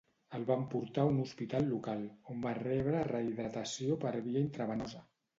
El van portar a un hospital local, on va rebre rehidratació per via intravenosa.